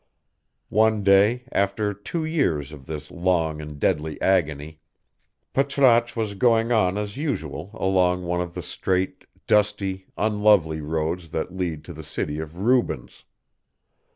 One day, after two years of this long and deadly agony, Patrasche was going on as usual along one of the straight, dusty, unlovely roads that lead to the city of Rubens.